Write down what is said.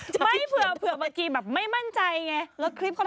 ถ้าเผื่อเมื่อกี้แบบไม่มั่นใจไง